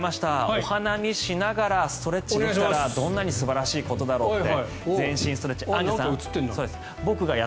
お花見しながらストレッチできたらどんなに素晴らしいことだろうって。